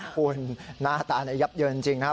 คุณหน้าตายับเยินจริงนะครับ